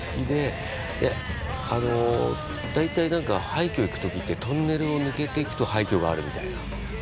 であのだいたい廃墟行くときってトンネルを抜けていくと廃墟があるみたいな。